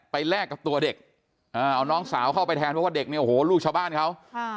แลกกับตัวเด็กเอาน้องสาวเข้าไปแทนเพราะว่าเด็กเนี่ยโอ้โหลูกชาวบ้านเขา